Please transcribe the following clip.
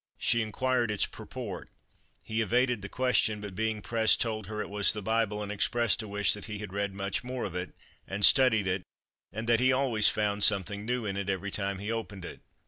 She inquired its purport. He evaded the question, but being pressed, told her it was the Bible, and expressed a wish that he had read much more of it, and studied it, and that he always found something new in it every time he opened it.